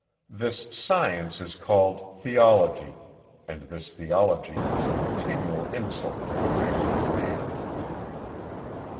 This science is called theology, and this theology is a continual insult to the reason of man.